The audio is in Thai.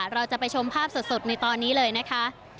เราจะไปชมภาพสดในตอนนี้เลยนะคะ